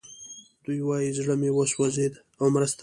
دوی وايي زړه مو وسوځېد او مرستې ته راغلو